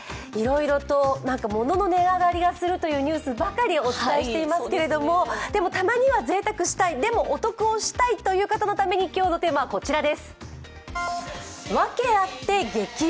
いろいろと物の値上がりがするというニュースばかりお伝えしていますけれどもたまにはぜいたくしたい、でもお得をしたいという方のために今日のテーマはこちらです。